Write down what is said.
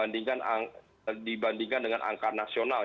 dibandingkan dengan angka nasional